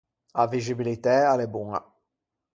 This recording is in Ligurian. A vixibilitæ a l’é boña.